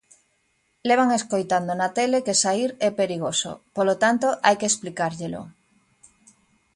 Levan escoitando na tele que saír é perigoso, polo tanto hai que explicárllelo.